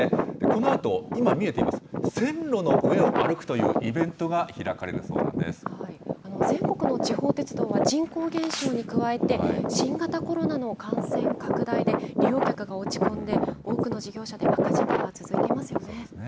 このあと、今見えています、線路の上を歩くというイベントが開か全国の地方鉄道は人口減少に加えて、新型コロナの感染拡大で利用客が落ち込んで、多くの事業者で赤字が続いていますよね。